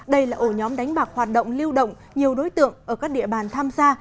đây là ổ nhóm đánh bạc hoạt động lưu động nhiều đối tượng ở các địa bàn tham gia